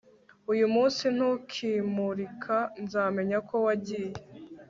uyu munsi ntukimurika, nzamenya ko wagiye